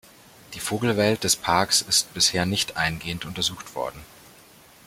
Die Vogelwelt des Parks ist bisher nicht eingehend untersucht worden.